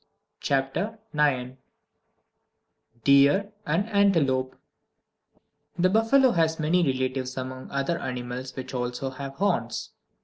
CHAPTER IX Deer and Antelope The buffalo has many relatives among other animals which also have horns.